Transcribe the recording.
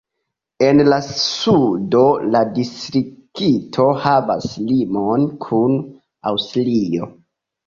En la sudo la distrikto havas limon kun Aŭstrio.